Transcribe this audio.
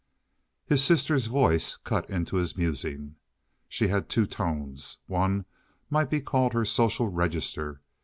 His sister's voice cut into his musing. She had two tones. One might be called her social register.